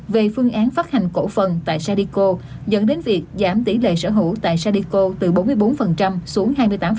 về phương án phát hành cổ phần tại sadiko dẫn đến việc giảm tỷ lệ sở hữu tại sadiko từ bốn mươi bốn xuống hai mươi tám tám